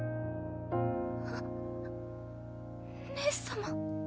あっ姉様？